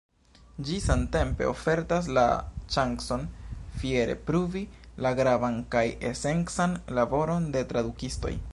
Ĝi samtempe ofertas la ŝancon fiere pruvi la gravan kaj esencan laboron de tradukistoj.